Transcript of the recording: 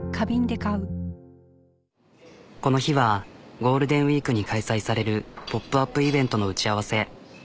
この日はゴールデンウイークに開催されるポップアップイベントの打ち合わせ。